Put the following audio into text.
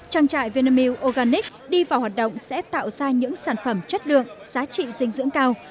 trang trại vinamilk organic đi vào hoạt động sẽ tạo ra những sản phẩm chất lượng giá trị dinh dưỡng cao